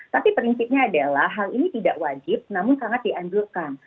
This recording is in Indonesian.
tapi prinsipnya adalah hal ini tidak wajib namun sangat dianjurkan